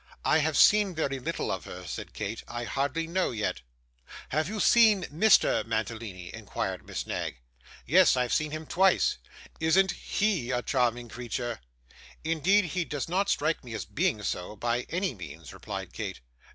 'I have seen very little of her,' said Kate. 'I hardly know yet.' 'Have you seen Mr. Mantalini?' inquired Miss Knag. 'Yes; I have seen him twice.' 'Isn't HE a charming creature?' 'Indeed he does not strike me as being so, by any means,' replied Kate.